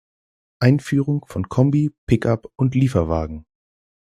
Einführung von Kombi, Pickup und Lieferwagen.